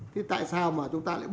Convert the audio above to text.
thế tại sao mà chúng ta lại bỏ